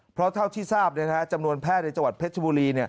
เพราะเท่าที่ทราบจำนวนแพทย์ในจังหวัดเพชรบุรี